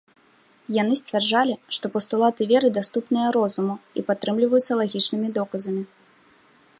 Яны сцвярджалі, што пастулаты веры даступныя розуму і падтрымліваюцца лагічнымі доказамі.